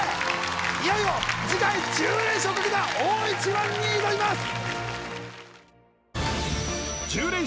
いよいよ次回１０連勝をかけた大一番に挑みます